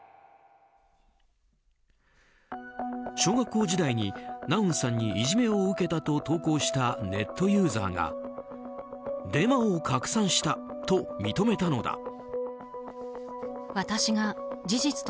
小学校時代にナウンさんにいじめを受けたと投稿したネットユーザーがデマを拡散したと認めたのだ。